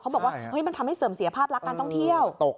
บอกว่ามันทำให้เสริมเสียภาพลักษณ์การท่องเที่ยว